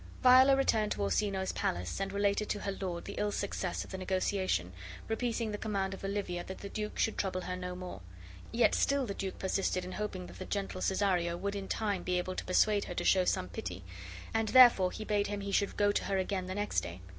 Viola returned to Orsino's palace, and related to her lord the ill success of the negotiation, repeating the command of Olivia that the duke should trouble her no more. Yet still the duke persisted in hoping that the gentle Cesario would in time be able to persuade her to show some pity, and therefore he bade him he should go to her again the next day.